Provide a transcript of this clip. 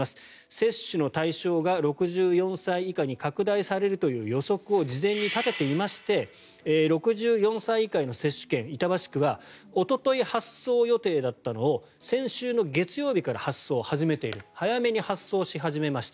接種の対象が６５歳以下に拡大されるという予測を事前に立てていまして６４歳以下への接種券板橋区はおととい発送予定だったのを先週の月曜日から発送を始めている早めに発送し始めました。